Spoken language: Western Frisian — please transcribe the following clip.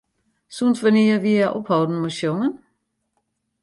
Sûnt wannear wie hja opholden mei sjongen?